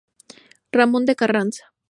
Ramón de Carranza.